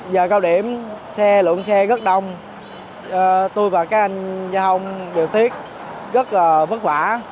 giờ cao điểm xe lượng xe rất đông tôi và các anh giao thông điều tiết rất là vất vả